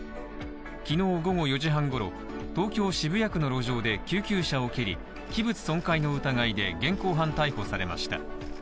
きのう午後４時半ごろ、東京渋谷区の路上で救急車を蹴り、器物損壊の疑いで現行犯逮捕されました。